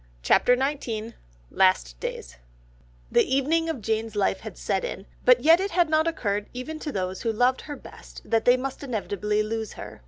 CHAPTER XIX LAST DAYS The evening of Jane's life had set in, but yet it had not occurred even to those who loved her best that they must inevitably lose her.